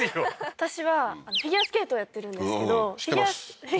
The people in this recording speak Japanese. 私はフィギュアスケートをやってるんですけどうん知ってますふふ